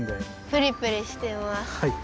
プリプリしてます。